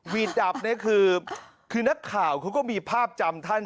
ดับนี่คือนักข่าวเขาก็มีภาพจำท่าน